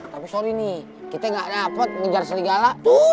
tapi sorry nih kita gak dapet ngejar serigala tapi kita bisa jalan ke sana